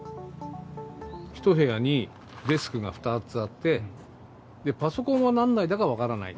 一部屋にデスクが２つあって、パソコンは何台だか分からない。